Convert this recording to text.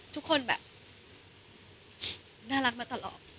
ทุกคนแบบน่ารักมาตลอด